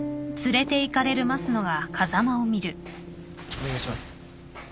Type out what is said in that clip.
お願いします。